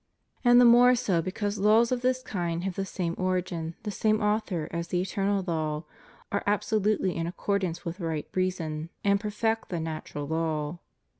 And the more so because laws of this kind have the same origin, the same author, as the eternal law, are absolutely in accordance with right reason, and 148 HUMAN LIBERTY. perfect the natural law.